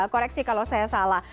koreksi kalau saya salah